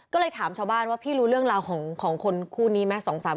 ก็เลยถามชาวบ้านว่าพี่รู้เรื่องราวของคนคู่นี้ไหม